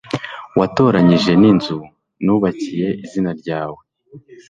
watoranyije n inzu nubakiye izina ryawe